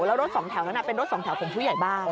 แล้วรถสองแถวนั้นเป็นรถสองแถวของผู้ใหญ่บ้าน